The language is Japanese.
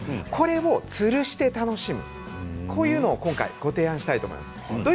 つるして楽しめる、こういうのを今回ご提案したいと思います。